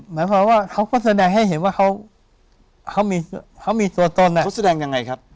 หมายความว่าเขาก็แสดงให้เห็นว่าเขามีตัวตนเขาแสดงยังไงครับ